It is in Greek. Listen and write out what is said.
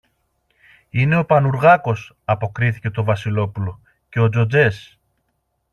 Είναι ο Πανουργάκος, αποκρίθηκε το Βασιλόπουλο, και ο Τζοτζές.